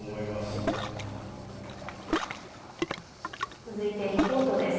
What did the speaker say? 続いてリポートです。